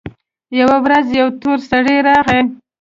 يوه ورځ يو تور سړى راغى.